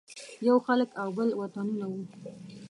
یو خلک او بل وطنونه وو.